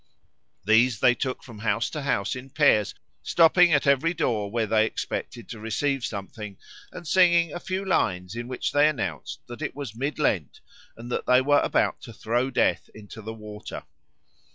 These they took from house to house in pairs, stopping at every door where they expected to receive something, and singing a few lines in which they announced that it was Mid Lent and that they were about to throw Death into the water.